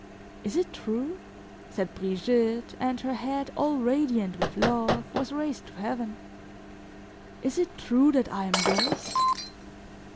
"Is it true?" said Brigitte, and her head, all radiant with love, was raised to heaven; "is it true that I am yours?